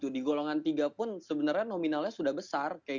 di golongan tiga pun sebenarnya nominalnya sudah besar